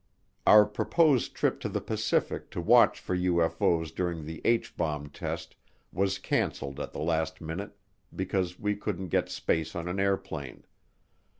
Our proposed trip to the Pacific to watch for UFO's during the H bomb test was canceled at the last minute because we couldn't get space on an airplane.